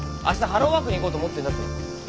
あしたハローワークに行こうと思ってんだっての。